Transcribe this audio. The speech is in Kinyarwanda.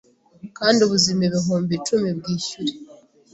Kandi ubuzima ibihumbi icumi bwishyure